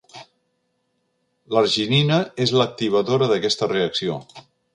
L'arginina és l'activadora d'aquesta reacció.